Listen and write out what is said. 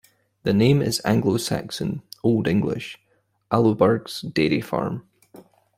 The name is Anglo-Saxon Old English 'Aluburg's dairy farm'.